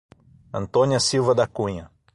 Antônia Silva da Cunha